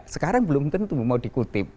sekarang belum tentu mau dikutip